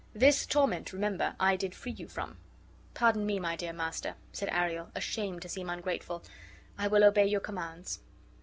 This torment, remember, I did free you from." "Pardon me, dear master," said Ariel, ashamed to seem ungrateful; "I will obey your commands."